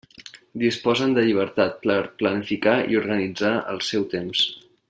Disposen de llibertat per planificar i organitzar el seu temps.